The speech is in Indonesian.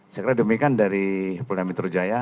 saya kata demikian dari polda mitru jaya